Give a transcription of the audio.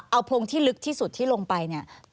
เอาโพงที่ลึกที่สุดที่ลงไปเนี่ย